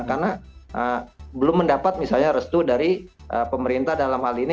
karena belum mendapat misalnya restu dari pemerintah dalam hal ini